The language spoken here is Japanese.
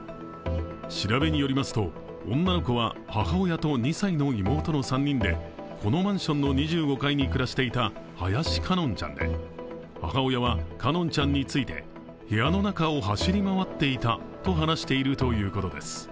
調べによりますと、女の子は母親と２歳の女の子の３人でこのマンションの２５階に暮らしていた林奏音ちゃんで母親は奏音ちゃんについて、部屋の中を走り回っていたと話しているということです。